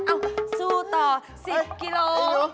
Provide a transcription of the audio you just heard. เอ้าซู้ต่อ๑๐กิโล